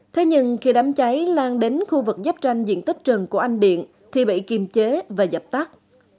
thế nhưng khi đám cháy lan đến khu vực giáp tranh diện tích rừng của anh điện thì bị kiềm chế và dập tắt